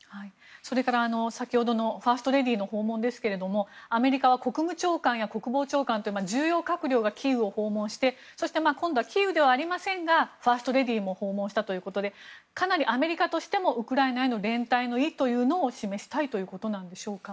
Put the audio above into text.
それから先ほどのファーストレディーの訪問ですけれどもアメリカは国務長官や国防長官重要閣僚がキーウを訪問してそして今度はキーウではありませんがファーストレディーも訪問したということでかなりアメリカとしてもウクライナへの連帯の意を示したいということなんでしょうか。